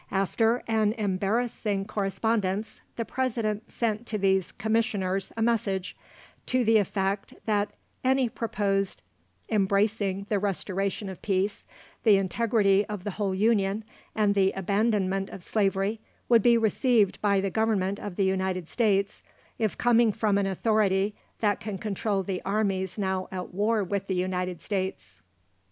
After an embarrassing correspondence, the President sent to these "commissioners" a message, to the effect that any proposition embracing the restoration of peace, the integrity of the whole Union, and the abandonment of slavery, would be received by the Government of the United States if coming from an authority that can control the armies now at war with the United States.